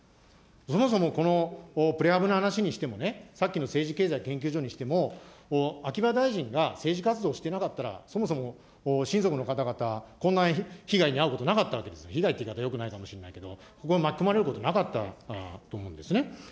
そもそもこのプレハブの話にしても、さっきの政治経済研究所にしても、秋葉大臣が政治活動していなかったらそもそも親族の方々、こんな被害に遭うことなかったわけですよ、被害という言い方、よくないかもしれないけれども、ここに巻き込まれることはなかったと思うんですね。